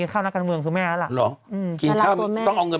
กินข้าวนักการมืองคือแม่ล่ะหรออืมกินข้าวต้องเอาเงิน